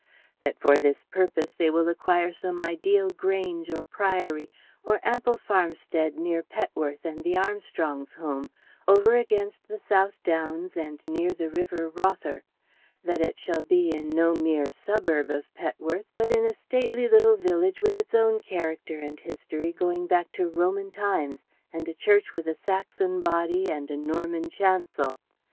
That for this purpose they will acquire some ideal Grange or Priory, or ample farmstead near Petworth and the Armstrongs' home, over against the South Downs, and near the river Rother; that it shall be in no mere suburb of Petworth but in a stately little village with its own character and history going back to Roman times and a church with a Saxon body and a Norman chancel.